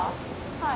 はい。